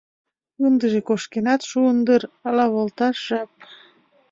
Ындыже кошкенат шуын дыр, ала волташ жап.